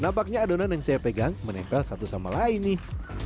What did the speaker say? nampaknya adonan yang saya pegang menempel satu sama lain nih